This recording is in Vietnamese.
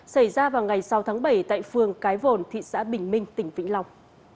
xảy ra vào ngày sáu tháng bảy tại phường cái vồn thị xã bình minh tỉnh vĩnh long